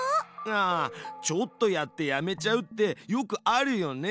ああちょっとやってやめちゃうってよくあるよね。